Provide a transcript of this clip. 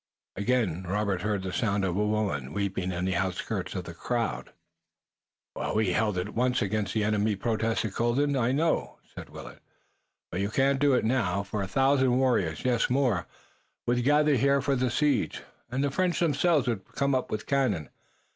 Again Robert heard the sound of a woman weeping in the outskirts of the crowd. "We held it once against the enemy," protested Colden. "I know," said Willet, "but you couldn't do it now. A thousand warriors, yes, more, would gather here for the siege, and the French themselves would come with cannon.